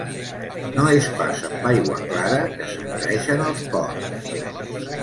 No és pas amb aigua clara que s'engreixen els porcs.